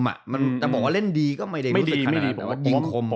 แต่บอกว่าเล่นดีก็ไม่ได้รู้สึกขนาดนั้น